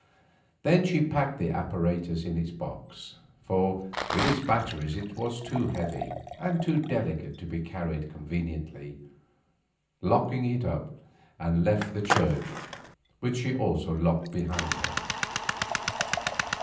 Then she packed the apparatus in its box, for, with its batteries, it was too heavy and too delicate to be carried conveniently, locking it up, and left the church, which she also locked behind her.